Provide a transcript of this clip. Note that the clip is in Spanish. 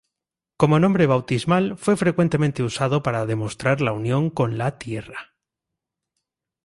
Como nombre bautismal fue frecuentemente usado para demostrar la unión con la tierra.